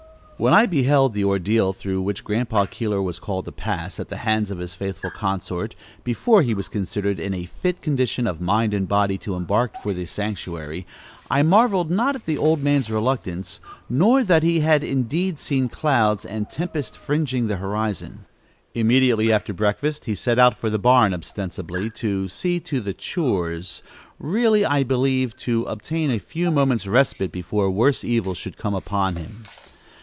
When I beheld the ordeal through which Grandpa Keeler was called to pass, at the hands of his faithful consort, before he was considered in a fit condition of mind and body to embark for the sanctuary, I marveled not at the old man's reluctance, nor that he had indeed seen clouds and tempest fringing the horizon. Immediately after breakfast, he set out for the barn, ostensibly to "see to the chores;" really, I believe, to obtain a few moments' respite, before worse evil should come upon him.